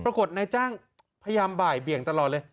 ปรากฏนายจ้างพยายามบ่ายเบี่ยงตลอดเลย